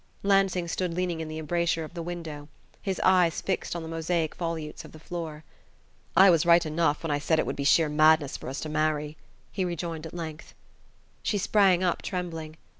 Lansing stood leaning in the embrasure of the window, his eyes fixed on the mosaic volutes of the floor. "I was right enough when I said it would be sheer madness for us to marry," he rejoined at length. She sprang up trembling.